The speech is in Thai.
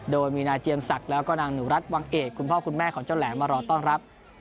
โดยมีนายเจียมศักดิ์แล้วก็นางหนูรัฐวังเอกคุณพ่อคุณแม่ของเจ้าแหลมมารอต้อนรับ